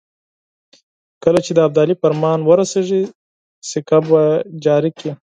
کله چې د ابدالي فرمان ورسېږي سکه به جاري کړي.